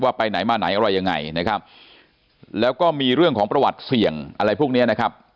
ไปไหนมาไหนอะไรยังไงนะครับแล้วก็มีเรื่องของประวัติเสี่ยงอะไรพวกเนี้ยนะครับ